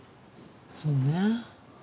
そうね。